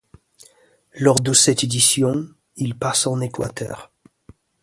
Lors de cette édition, il passe en Équateur.